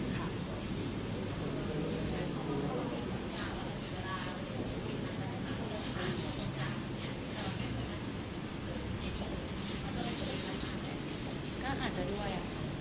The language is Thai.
ก็อาจจะด้วย